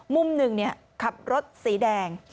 มุมหนึ่งเนี่ยข้ามรถสีแดง